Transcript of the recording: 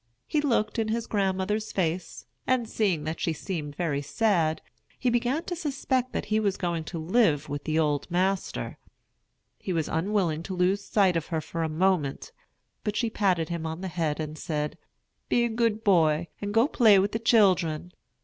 He looked in his grandmother's face, and seeing that she seemed very sad, he begun to suspect that he was going to live with the "old master." He was unwilling to lose sight of her for a moment; but she patted him on the head, and said, "Be a good boy, and go and play with the children.